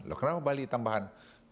loh kenapa bali tambahan